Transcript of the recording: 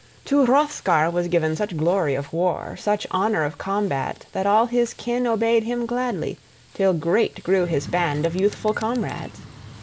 To Hrothgar was given such glory of war, such honor of combat, that all his kin obeyed him gladly till great grew his band of youthful comrades.